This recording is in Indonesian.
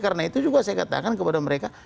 karena itu juga saya katakan kepada mereka